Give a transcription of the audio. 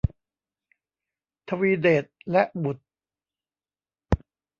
ทวีเดชและบุตร